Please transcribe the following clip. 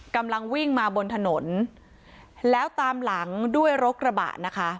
กำลังวิ่งมาบนถนนแล้วตามหลังด้วยรถกระบะนะคะ